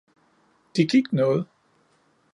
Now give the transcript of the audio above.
De gik noget.